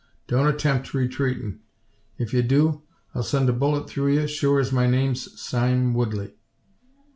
Don't attempt retreetin'. If ye do, I'll send a bullet through ye sure as my name's Sime Woodley."